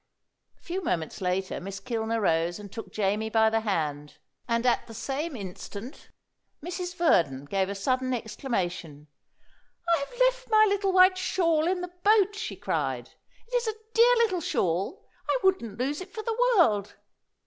A few moments later Miss Kilner rose and took Jamie by the hand; and at the same instant Mrs. Verdon gave a sudden exclamation. "I have left my little white shawl in the boat!" she cried. "It's a dear little shawl. I wouldn't lose it for the world."